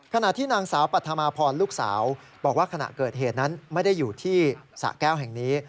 ขณะที่นางสาวปัธมาพรลูกสาวบอกว่าขณะเกิดเหตุนั้นไม่ได้อยู่ที่สะแก้วแห่งนี้